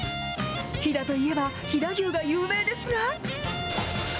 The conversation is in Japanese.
飛騨といえば、飛騨牛が有名ですが。